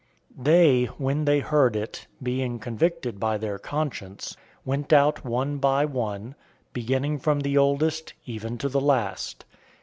008:009 They, when they heard it, being convicted by their conscience, went out one by one, beginning from the oldest, even to the last.